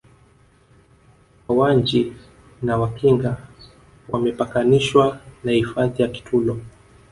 Wawanji na Wakinga wamepakanishwa na hifadhi ya Kitulo